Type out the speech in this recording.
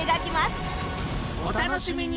お楽しみに！